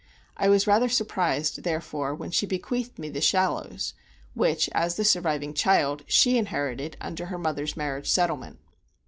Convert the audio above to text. I was rather surprised, therefore, when she bequeathed me The Shallows, which, as the surviving child, she inherited under her mother's marriage settlement.